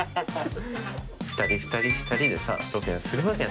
２人２人２人でさロケするわけないよ。